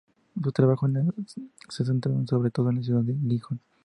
Su trabajo se ha centrado sobre todo en la ciudad de Gijón.